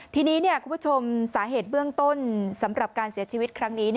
ทีนี้คุณผู้ชมสาเหตุเบื้องต้นสำหรับการเสียชีวิตครั้งนี้